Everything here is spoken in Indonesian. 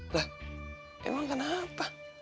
lah emang kenapa